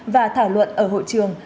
và thảo luận ở hội trường